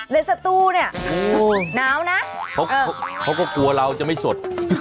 สตูเนี่ยหนาวนะเขาก็กลัวเราจะไม่สด